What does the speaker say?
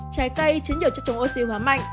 trái cây chứa nhiều chất chống oxy hóa mạnh